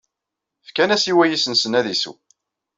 Fkan-as i wayis-nsen ad isew.